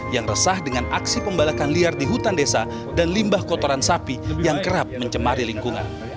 yang resah dengan aksi pembalakan liar di hutan desa dan limbah kotoran sapi yang kerap mencemari lingkungan